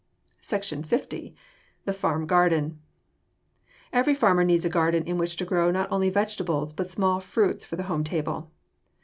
SECTION L. THE FARM GARDEN Every farmer needs a garden in which to grow not only vegetables but small fruits for the home table.